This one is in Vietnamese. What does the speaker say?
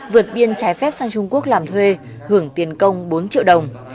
vượt biên trái phép sang trung quốc làm thuê hưởng tiền công bốn triệu đồng